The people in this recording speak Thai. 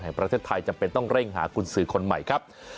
แห่งประเทศไทยจำเป็นต้องเร่งหากุญสือคนใหม่ครับ